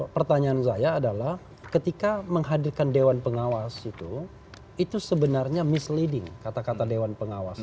pertanyaan saya adalah ketika menghadirkan dewan pengawas itu itu sebenarnya misleading kata kata dewan pengawas